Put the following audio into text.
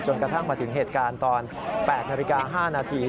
กระทั่งมาถึงเหตุการณ์ตอน๘นาฬิกา๕นาที